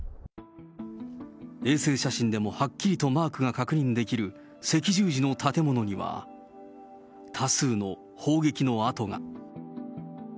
衛星写真でもはっきりとマークが確認できる、赤十字の建物には、多数の砲撃の跡が。